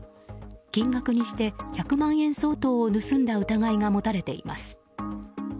金額にして１００万円相当を盗んだ疑いが持たれています。